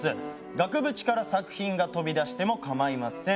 額縁から作品が飛び出してもかまいません